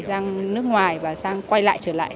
sang nước ngoài và sang quay lại trở lại